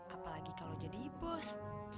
apalagi kalo jadi ibus